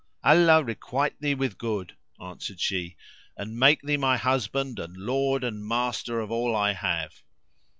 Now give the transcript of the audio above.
"Allah requite thee with good," answered she, "and make thee my husband and lord and master of all I have!"